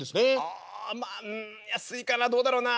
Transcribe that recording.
ああまあうん安いかなあどうだろうなあ。